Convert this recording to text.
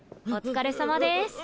お疲れさまです。